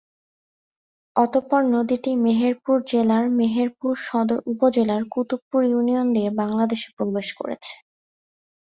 অতঃপর নদীটি মেহেরপুর জেলার মেহেরপুর সদর উপজেলার কুতুবপুর ইউনিয়ন দিয়ে বাংলাদেশে প্রবেশ করেছে।